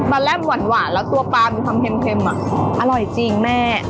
แร่มหวานแล้วตัวปลามีความเค็มอร่อยจริงแม่